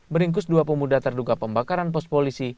meringkus dua pemuda terduga pembakaran pos polisi